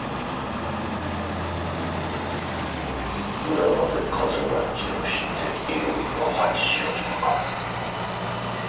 浦賀で風待ちをしていよいよ八丈島か。